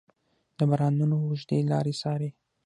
د بارانونو اوږدې لارې څارې